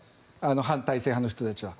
反体制派の人たちは。